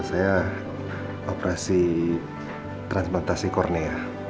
saya operasi transplantasi cornea